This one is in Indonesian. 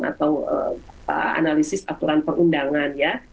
atau analisis aturan perundangan ya